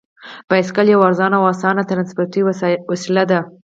بایسکل یوه ارزانه او اسانه ترانسپورتي وسیله ده.